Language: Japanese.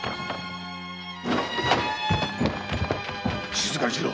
・静かにしろ！